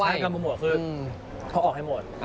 ใช่การโปรโมทคือเขาออกให้หมด